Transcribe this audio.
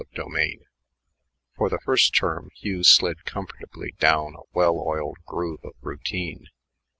CHAPTER XXI For the first term Hugh slid comfortably down a well oiled groove of routine.